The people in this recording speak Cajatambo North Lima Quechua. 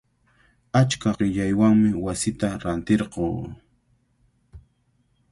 Achka qillaywanmi wasita rantirquu.